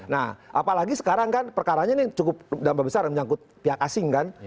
nah apalagi sekarang kan perkaranya ini cukup dampak besar menyangkut pihak asing kan